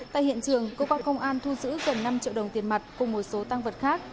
tại hiện trường cơ quan công an thu giữ gần năm triệu đồng tiền mặt cùng một số tăng vật khác